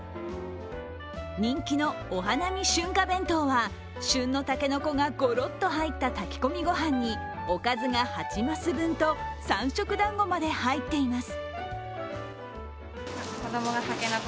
人気のお花見筍華弁当は、旬のタケノコがごろっと入った炊き込みご飯におかずが８マス分と三色団子まで入っています。